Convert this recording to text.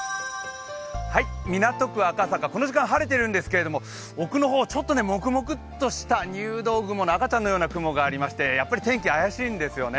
港区赤坂、この時間晴れているんですけれども、奥の方、もくもくっとした入道雲の赤ちゃんみたいな雲がありまして天気は怪しいんですよね。